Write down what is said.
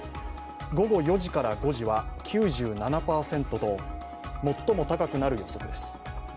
午後４時から５時は９７％と最も高くなる予測です。